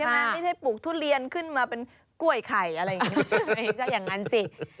ไม่ได้ปลูกทุเรียนขึ้นมาเป็นกล้วยไข่อะไรอย่างนี้